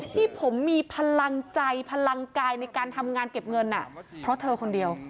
ที่ผมมีพลังใจพลังกายในการทำงานเก็บเงินเพราะเธอคนเดียว